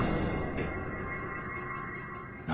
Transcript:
えっ何？